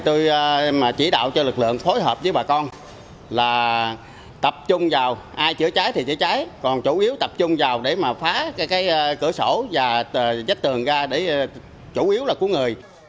tôi chỉ đạo cho lực lượng phối hợp với bà con là tập trung vào ai chữa cháy thì chữa cháy còn chủ yếu tập trung vào để mà phá cái cửa sổ và vách tường ra để chủ yếu là cứu người